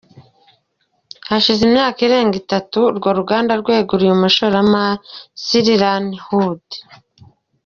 Hashize imyaka irenga itatu urwo ruganda rweguriwe umushoramari Sir Ian Hood.